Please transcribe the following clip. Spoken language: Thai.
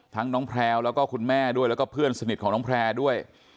ทั้งน้องแพลวแล้วก็คุณแม่ด้วยแล้วก็เพื่อนสนิทของน้องแพร่ด้วย